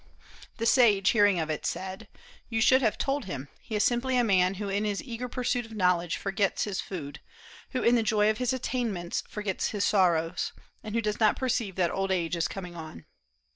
The sage hearing of it, said, "You should have told him, He is simply a man who in his eager pursuit of knowledge forgets his food, who in the joy of his attainments forgets his sorrows, and who does not perceive that old age is coming on."